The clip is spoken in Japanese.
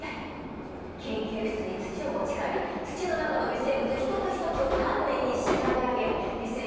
研究室に土を持ち帰り土の中の微生物一つ一つを丹念に調べ上げ微生物が作り出す化学物質を調査する。